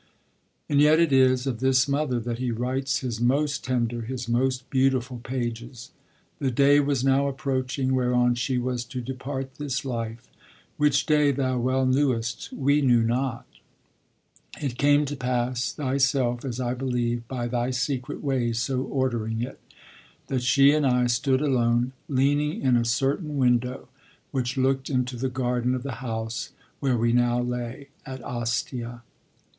And yet it is of this mother that he writes his most tender, his most beautiful pages. 'The day was now approaching whereon she was to depart this life (which day Thou well knewest, we knew not), it came to pass, Thyself, as I believe, by Thy secret ways so ordering it, that she and I stood alone, leaning in a certain window, which looked into the garden of the house where we now lay, at Ostia....'